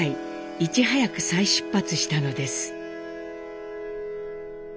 いち早く再出発したのです。